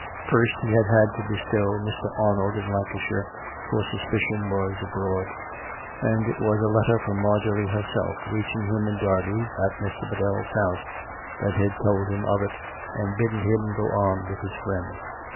First he had had to bestow Mr. Arnold in Lancashire, for suspicion was abroad ; and it was a letter from Marjorie herself, reaching him in Derby, at Mr. Biddell's house, that had told him of it, and bidden him go on with his friend.